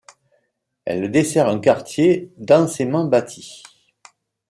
Elle dessert un quartier densément bâti.